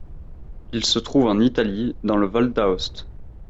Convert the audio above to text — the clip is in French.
Il se trouve en Italie, dans le Val d'Aoste.